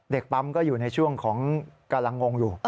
ปั๊มก็อยู่ในช่วงของกำลังงงอยู่